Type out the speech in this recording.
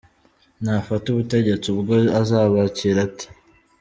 Nafata ubutegetsi ubwo azabakira ate ?